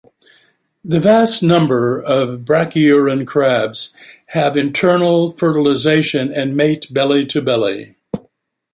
The vast number of brachyuran crabs have internal fertilisation and mate belly-to-belly.